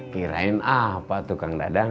kirain apa tuh kang dadang